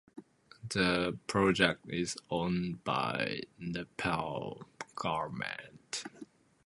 The project is owned by Nepal Government.